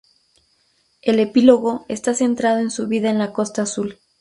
El Epílogo está centrado en su vida en la Costa Azul.